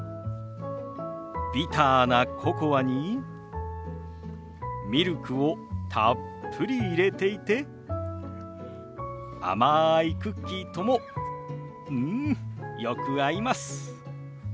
ビターなココアにミルクをたっぷり入れていて甘いクッキーともうんよく合います。